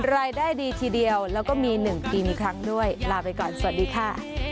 รายได้ดีทีเดียวแล้วก็มี๑ปีมีครั้งด้วยลาไปก่อนสวัสดีค่ะ